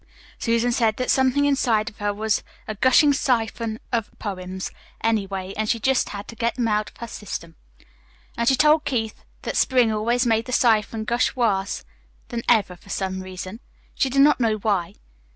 Susan said that something inside of her was a gushing siphon of poems, anyway, and she just had to get them out of her system. And she told Keith that spring always made the siphon gush worse than ever, for some reason. She didn't know why.